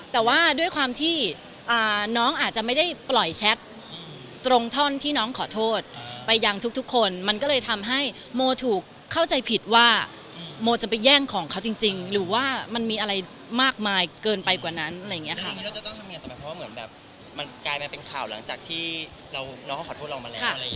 แต่ว่าด้วยความที่อ่าน้องอาจจะไม่ได้ปล่อยแช็คตรงท่อนที่น้องขอโทษไปยังทุกทุกคนมันก็เลยทำให้โมถูกเข้าใจผิดว่าโมจะไปแย่งของเขาจริงจริงหรือว่ามันมีอะไรมากมายเกินไปกว่านั้นอะไรอย่างเงี้ยค่ะ